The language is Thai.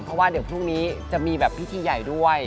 เพราะว่าพรุ่งนี้จะมีพิธีใหญ่ด้วย